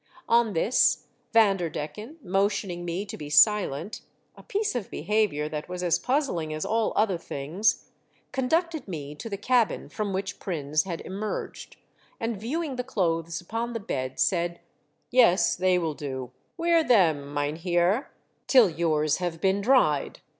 On this Vanderdecken, motioning me to be silent — a piece of behaviour that was as puzzling as all other things — conducted me to the cabin from which Prins had emerged, and viewing the clothes upon the bed, said, " Yes, they will do ; wear them, mynheer, till yours have been dried.